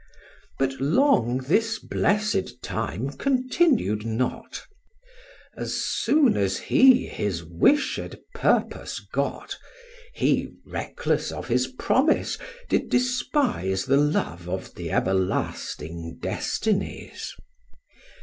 But long this blessed time continu'd not: As soon as he his wished purpose got, He, reckless of his promise, did despise The love of th' everlasting Destinies.